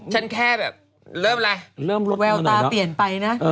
ฉันแค่แบบเริ่มอะไรเริ่มแววตาเปลี่ยนไปนะ